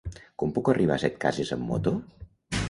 Com puc arribar a Setcases amb moto?